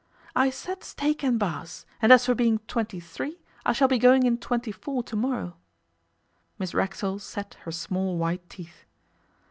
'I said steak and Bass, and as for being twenty three, shall be going in twenty four to morrow.' Miss Racksole set her small white teeth.